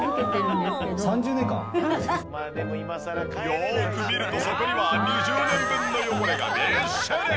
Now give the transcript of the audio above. よーく見るとそこには２０年分の汚れがびっしり！